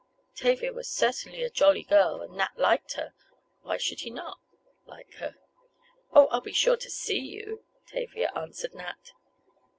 Tavia was certainly a jolly girl, and Nat liked her—why should he not—like her? "Oh, I'll be sure to see you," Tavia answered Nat.